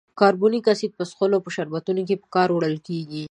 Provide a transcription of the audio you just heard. کاربونیک اسید په څښلو په شربتونو کې په کار وړل کیږي.